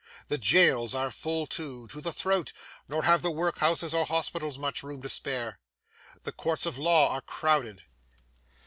The jails are full, too, to the throat, nor have the workhouses or hospitals much room to spare. The courts of law are crowded.